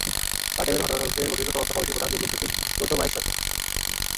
বারডেমের ঘটনা তদন্তে গঠিত তদন্ত কমিটির প্রধান যুগ্ম সচিব গৌতম আইচ সরকার।